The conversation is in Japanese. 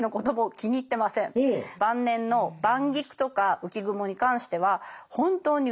晩年の「晩菊」とか「浮雲」に関しては本当にうまい。